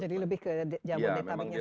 jadi lebih ke jawa detak